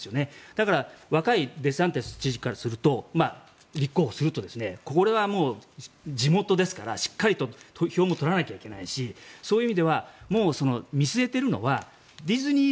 だから若いデサンティス知事からすると立候補するとこれは地元ですからしっかりと票も取らなきゃいけないしそういう意味ではもう見据えてるのはディズニー